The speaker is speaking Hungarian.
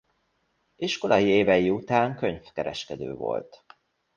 Iskolai évei után könyvkereskedő volt.